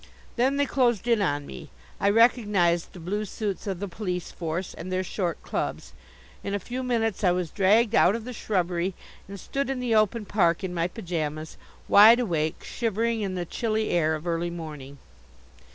Then they closed in on me. I recognized the blue suits of the police force and their short clubs. In a few minutes I was dragged out of the shrubbery and stood in the open park in my pyjamas, wide awake, shivering in the chilly air of early morning.